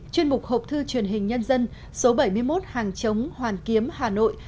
chuyên mục học thư truyền hình nhân dân số bảy mươi một hàng chống hoàn kiếm hà nội